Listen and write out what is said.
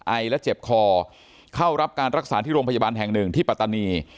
ไอและเจ็บคอเข้ารับการรักษาที่โรงพยาบาลแห่งหนึ่งที่ปัตตานี